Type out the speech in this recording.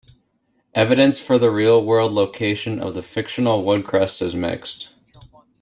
Evidence for the real-world location of the fictional Woodcrest is mixed.